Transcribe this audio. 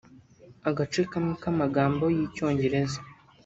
Agace kamwe k'amagambo y’icyongereza